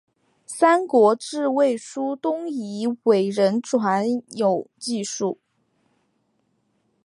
三国志魏书东夷倭人传有记述。